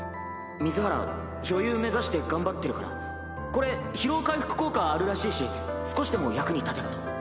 「水原女優目指して頑張ってるからこれ疲労回復効果あるらしいし少しでも役に立てばと」。